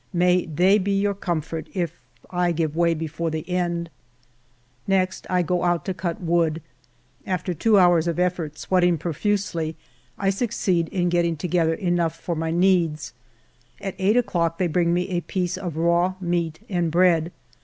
May they be your comfort if I give way before the end ! Next I go out to cut wood. After two hours of effort, sweating profusely, I succeed in getting together enough for my needs. At eight o'clock they bring me a piece of raw meat and bread.